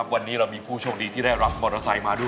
วันนี้เรามีผู้โชคดีที่ได้รับมอเตอร์ไซค์มาด้วย